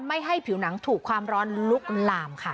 ให้ผิวหนังถูกความร้อนลุกลามค่ะ